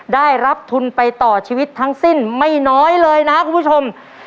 ได้รับทุนไปต่อชีวิตทั้งสิ้นไม่น้อยเลยนะคุณผู้ชม